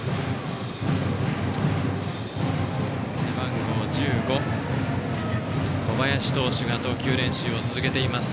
背番号１５の小林投手が投球練習を続けています。